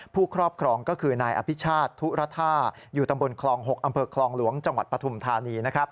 ครอบครองก็คือนายอภิชาติทุระธาอยู่ตำบลคลอง๖อำเภอคลองหลวงจังหวัดปฐุมธานี